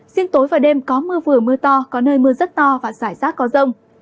riêng tối và đêm có mưa vừa mưa to có nơi mưa rất to và rải rác có rông